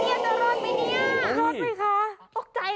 รอดไปค่ะตกใจไหม